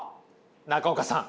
中岡さん